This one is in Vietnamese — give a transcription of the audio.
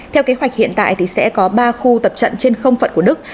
theo kế hoạch hiện tại thì sẽ có ba khu tập trận trên không phận của đức